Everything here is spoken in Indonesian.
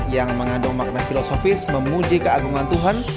yang mengandung makna filosofis memuji keagungan tuhan